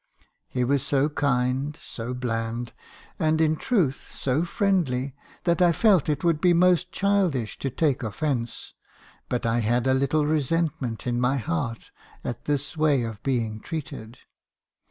"He was so kind, so bland, and, in truth, so friendly, that I felt it would be most childish to take offence ; but I had a little resentment in my heart at this way of being treated.